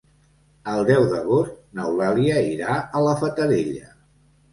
El deu d'agost n'Eulàlia irà a la Fatarella.